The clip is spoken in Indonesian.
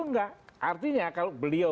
enggak artinya kalau beliau